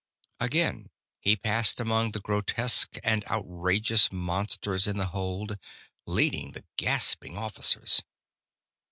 Again he passed among the grotesque and outrageous monsters in the hold, leading the gasping officers.